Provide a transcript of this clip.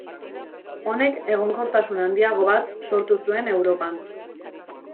Honek egonkortasun handiago bat sortu zuen Europan.